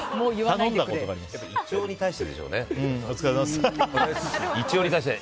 胃腸に対してでしょうね。